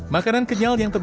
makanan kenyal yang tebus